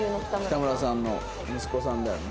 北村さんの息子さんだよね。